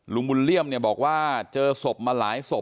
ลุงบุญเลี่ยมเนี่ยบอกว่าเจอศพมาหลายศพ